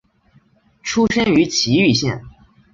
出身于崎玉县。